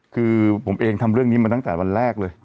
คือผมเองทำเรื่องนี้มาตั้งแต่วันแรกเลย